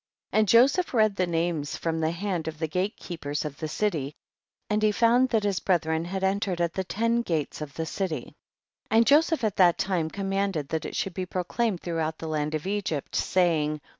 8. And Joseph read the names from the hand of the gate keepers of the city, and he found that his breth ren had entered at the ten gates of the city, and Joseph at that time com manded that it should be proclaimed throughout the land of Egypt, saying, 9.